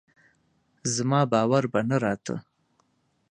زما باور به نه راته